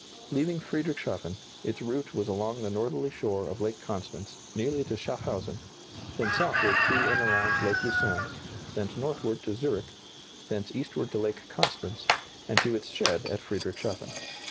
Leaving Friedrichshafen, its route was along the northerly shore of Lake Constance nearly to Schaffhausen, then southward to and around Lake Lucerne, thence northward to Zurich, thence eastward to Lake Constance, and to its shed at Friedrichshafen.